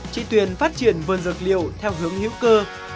chị tuyền phát triển vườn dược liệu theo hướng hữu cơ